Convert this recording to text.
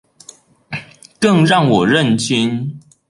更讓我認清